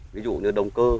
ví dụ như đông cơ